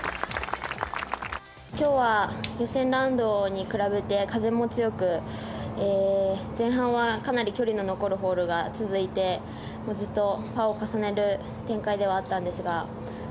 今日は予選ラウンドに比べて風も強く、前半はかなり距離の残るホールが続いてずっとパーを重ねる展開ではあったんですが。